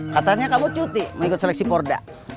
katanya kamu cuti mengikut seleksi porda